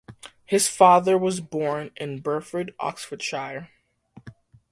His father was born in Burford, Oxfordshire.